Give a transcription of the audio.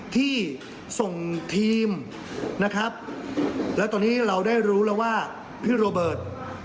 ที่ส่งทีมนะครับแล้วตอนนี้เราได้รู้แล้วว่าพี่โรเบิร์ต